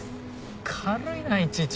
軽いないちいち。